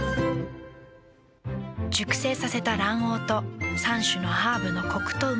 熟成させた卵黄と３種のハーブのコクとうま味。